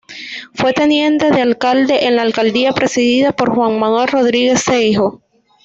Fue teniente de alcalde en la alcaldía presidida por Juan Manuel Rodríguez Seijo.